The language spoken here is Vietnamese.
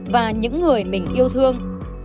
và những người mình yêu thương